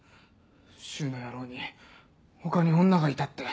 柊の野郎に他に女がいたって。